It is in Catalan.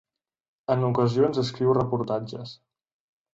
En ocasions escriu reportatges.